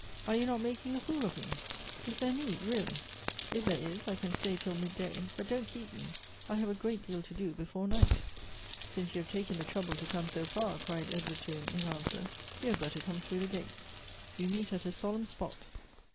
" Are you not making a fool of me ? Is there need, really ? If there is, I can stay till mid day. But don't keep me. I have a great deal to do before night." " Since you have taken the trouble to come so far," cried Edward to him, in answer, " you had better come through the gate. We meet at a solemn spot.